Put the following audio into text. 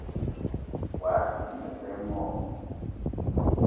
Wao te ding isa i mo?